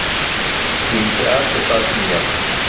נמצאה ספה פנויה.